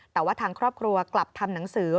แต่ว่าทางครอบครัวกลับทำหนังสือ